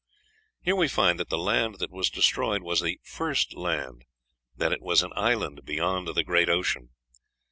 Here we find that the land that was destroyed was the "first land;" that it was an island "beyond the great ocean."